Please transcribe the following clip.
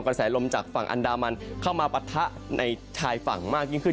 กระแสลมจากฝั่งอันดามันเข้ามาปะทะในชายฝั่งมากยิ่งขึ้น